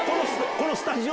このスタジオ？